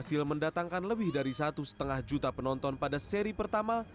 setengah juta penonton pada seri pertama